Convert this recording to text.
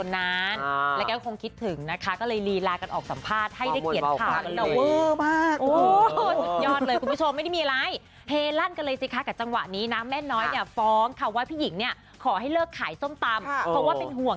นางต้องมีหลานให้กับฉัน